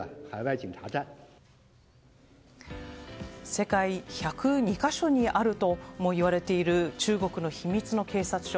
世界１０２か所にあるともいわれている中国の秘密の警察署。